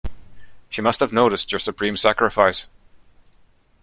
She must have noticed your supreme sacrifice.